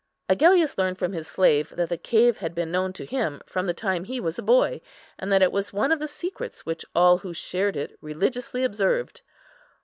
Agellius learned from his slave that the cave had been known to him from the time he was a boy, and that it was one of the secrets which all who shared it religiously observed.